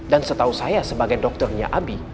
dan setahu saya sebagai dokternya abi